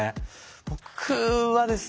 僕はですね